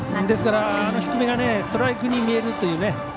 ですから、低めがストライクに見えるというね。